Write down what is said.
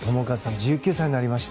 １９歳になりました。